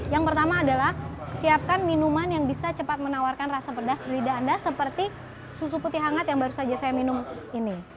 yang pertama adalah siapkan minuman yang bisa cepat menawarkan rasa pedas di lidah anda seperti susu putih hangat yang baru saja saya minum ini